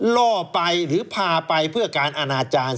ล่อไปหรือพาไปเพื่อการอนาจารย์